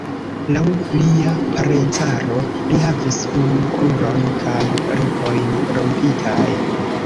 Laŭ lia parencaro, li havis unu kruron kaj ripojn rompitaj.